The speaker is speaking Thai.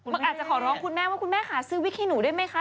มันอาจจะขอร้องคุณแม่ว่าคุณแม่หาซื้อวิกขี้หนูได้ไหมคะ